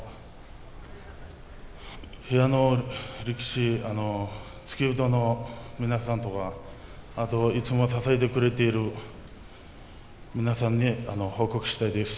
部屋の力士、付け人の皆さんとかあと、いつも支えてくれている皆さんに報告したいです。